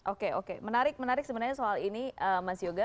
oke oke menarik menarik sebenarnya soal ini mas yoga